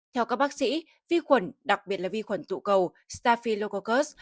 theo các bác sĩ vi khuẩn đặc biệt là vi khuẩn tụ cầu staphylococcus